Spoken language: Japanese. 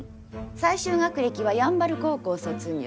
最終学歴は山原高校卒業。